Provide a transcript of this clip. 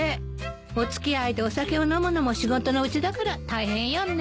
お付き合いでお酒を飲むのも仕事のうちだから大変よね。